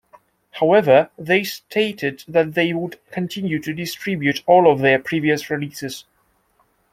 However, they stated that they would continue to distribute all of their previous releases.